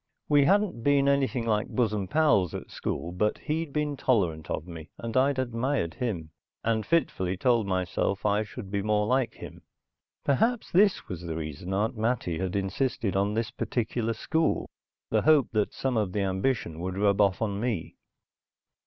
We hadn't been anything like bosom pals at school; but he'd been tolerant of me, and I'd admired him, and fitfully told myself I should be more like him. Perhaps this was the reason Aunt Mattie had insisted on this particular school, the hope that some of the ambition would rub off on me.